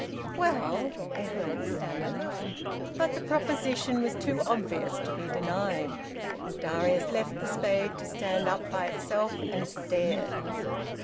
"Well " Edwin stammered. But the proposition was too obvious to be denied. Darius left the spade to stand up by itself, and stared.